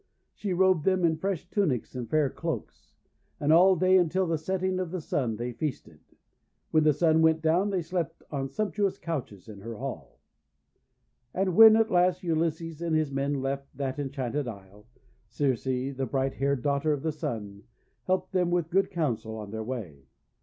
She robed them in fresh tunics and fair cloaks. And all day, until the setting of the Sun, they feasted. When the Sun went down, they slept on sumptuous couches in her hall. And when at last Ulysses and his men left «/ that enchanted isle, Circe, the bright haired daughter of the Sun, helped them with good counsel on their way.